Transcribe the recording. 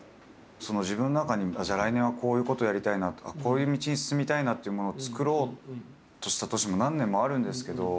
自分の中にじゃあ来年はこういうことやりたいなとかこういう道に進みたいなというものを作ろうとした年も何年もあるんですけど。